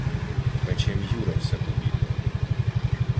— Мечем Юра Всепобідного...